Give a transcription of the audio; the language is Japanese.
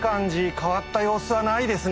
変わった様子はないですね。